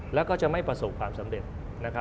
แล้วก็จะไม่ประสบความสำเร็จ